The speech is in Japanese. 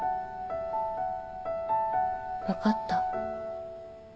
分かった。